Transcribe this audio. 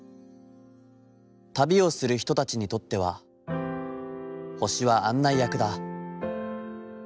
旅をする人たちにとっては、星は案内役だ。